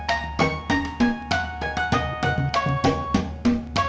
sampai jumpa di video selanjutnya